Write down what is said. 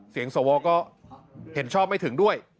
เสียงสวก็เห็นชอบไม่ถึงด้วย